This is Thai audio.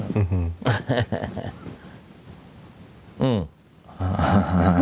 อืม